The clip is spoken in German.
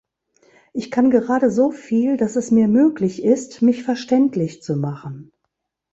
Ich kann gerade so viel, dass es mir möglich ist, mich verständlich zu machen.